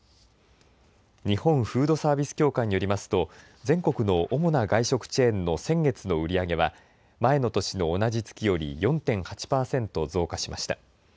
日本フードサービス協会によりますと、全国の主な外食チェーンの先月の売り上げは、前の年の同じ月より４．８％増加しました。